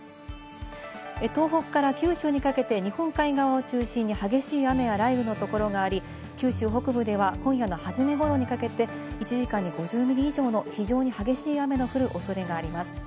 東北から九州にかけて日本海側を中心に激しい雨や雷雨のところがあり、九州北部では今夜のはじめ頃にかけて１時間に５０ミリ以上の非常に激しい雨の降るおそれがあります。